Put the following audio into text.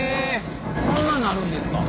こんなんなるんですか。